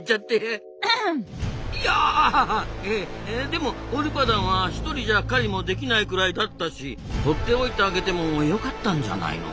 でもオルパダンは１人じゃ狩りもできないくらいだったし放っておいてあげてもよかったんじゃないの？